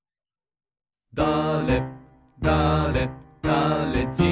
「だれだれだれじん」